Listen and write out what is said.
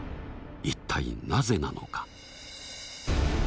一体なぜなのか？